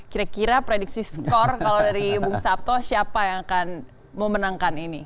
kira kira prediksi skor kalau dari bung sabto siapa yang akan memenangkan ini